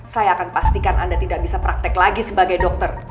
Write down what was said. saya akan pastikan anda tidak bisa praktek lagi sebagai dokter